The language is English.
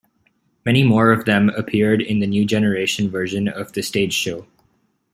Many more of them appeared in the "New Generation" version of the stage show.